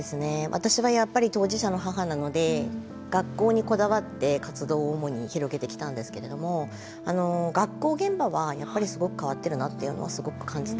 私はやっぱり当事者の母なので学校にこだわって活動を主に広げてきたんですけれども学校現場はやっぱりすごく変わってるなっていうのはすごく感じています。